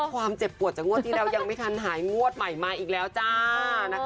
ความเจ็บปวดจากงวดที่แล้วยังไม่ทันหายงวดใหม่มาอีกแล้วจ้านะคะ